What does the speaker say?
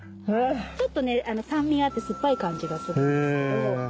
ちょっと酸味があって酸っぱい感じがするんですけど。